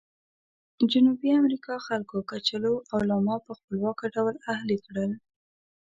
جنوبي امریکا خلکو کچالو او لاما په خپلواکه ډول اهلي کړل.